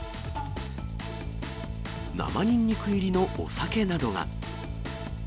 生ニンニク入りのお酒などが。